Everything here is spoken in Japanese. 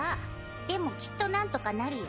でもきっとなんとかなるよ。